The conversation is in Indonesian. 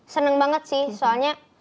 seneng banget sih soalnya